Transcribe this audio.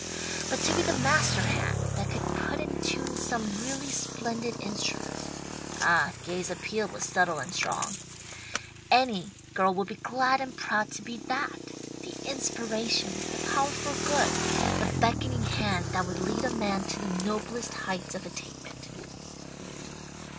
But to be the master hand that could put in tune some really splendid instrument (ah, Gay's appeal was subtle and strong) any girl would be glad and proud to be that: the inspiration, the power for good, the beckoning hand that would lead a man to the noblest heights of attainment.